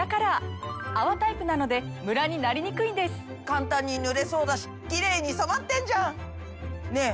簡単に塗れそうだしキレイに染まってんじゃん！ねぇ